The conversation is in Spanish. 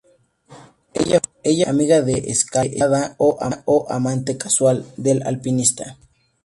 Ella fue "amiga de escalada" o "amante casual" del alpinista.